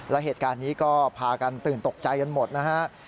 และเหตุการณ์นี้ก็พากันตื่นตกใจกันหมดนะฮะ